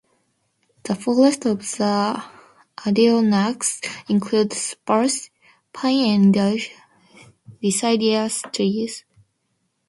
The forests of the Adirondacks include spruce, pine and deciduous trees.